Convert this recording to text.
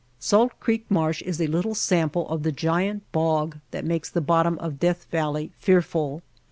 Salt Creek marsh is a little sample of the giant bog that makes the bottom of Death Valley fearful.